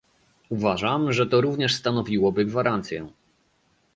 Uważam, że to również stanowiłoby gwarancję